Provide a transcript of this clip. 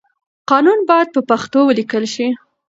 قانون بايد په پښتو وليکل شي.